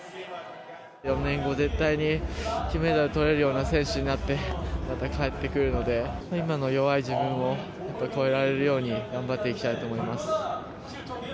４年後、絶対に金メダルとれるような選手になって、また帰ってくるので、今の弱い自分を本当、超えられるように頑張っていきたいと思います。